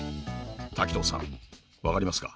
滝藤さん分かりますか？